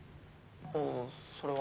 あそれは。